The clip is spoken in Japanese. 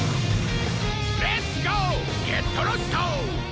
レッツゴー！ゲットロスト！